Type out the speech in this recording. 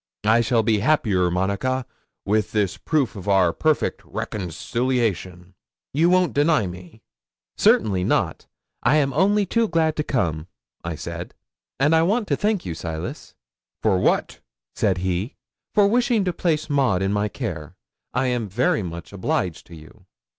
I shall be happier, Monica, with this proof of our perfect reconciliation. You won't deny me?" '"Certainly not. I am only too glad to come," said I; "and I want to thank you, Silas." '"For what?" said he. '"For wishing to place Maud in my care. I am very much obliged to you."